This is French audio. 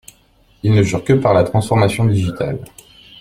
Ils ne jurent que par la transformation digitale...